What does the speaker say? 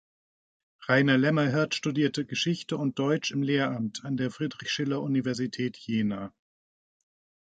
Rainer Lämmerhirt studierte Geschichte und Deutsch im Lehramt an der Friedrich-Schiller-Universität Jena.